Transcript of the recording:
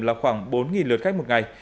là khoảng một mươi hai lượt một ngày